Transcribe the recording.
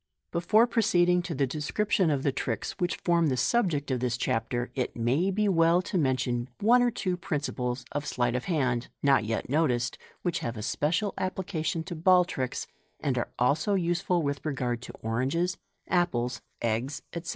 Before proceeding to the description of the tricks which form the subject of this Chapter, it may be well to mention one or two principles of sleight of hand, not yet noticed, which have a special application to ball tricks, and are also useful with regard to oranges, apples, eggs, etc.